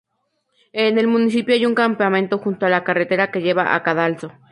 En el municipio hay un campamento junto a la carretera que lleva a Cadalso.